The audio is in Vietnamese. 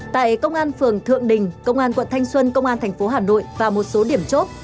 tại công an phường thượng đình công an quận thanh xuân công an tp hà nội và một số điểm chốt